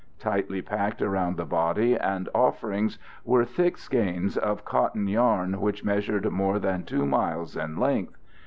Tightly packed around the body and offerings were thick skeins of cotton yarn which measured more than 2 miles in length.